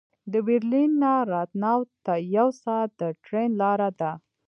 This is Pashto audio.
د برلین نه راتناو ته یو ساعت د ټرېن لاره ده